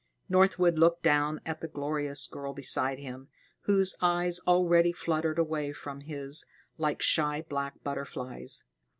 Northwood looked down at the glorious girl beside him, whose eyes already fluttered away from his like shy black butterflies.